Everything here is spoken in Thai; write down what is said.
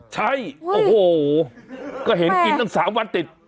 ใช่โอ้โหก็เห็นกินตั้ง๓วันติด